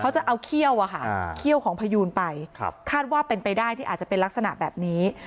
เขาจะเอาเขี้ยวอะค่ะเขี้ยวของพยูนไปคาดว่าเป็นไปได้ที่อาจจะเป็นลักษณะแบบนี้